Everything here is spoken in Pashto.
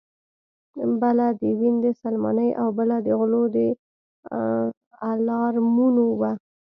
بله د وین د سلماني او بله د غلو د الارمونو وه